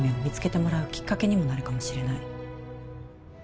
見つけてもらうきっかけにもなるかもしれない